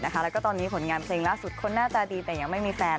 แล้วก็ตอนนี้ผลงานเพลงล่าสุดคนหน้าตาดีแต่ยังไม่มีแฟน